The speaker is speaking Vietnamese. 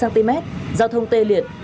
giao thông tê liệt